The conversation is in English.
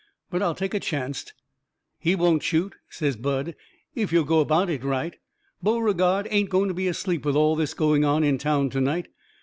But I'll take a chancet." "He won't shoot," says Bud, "if yo' go about it right. Beauregard ain't going to be asleep with all this going on in town to night.